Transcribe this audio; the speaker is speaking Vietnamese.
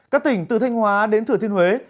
các tỉnh từ thanh hóa đến thừa thiên huế